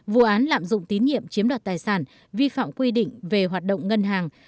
vụ án lạm dụng tín nhiệm chiếm đoạt tài sản vi phạm quy định về hoạt động ngân hàng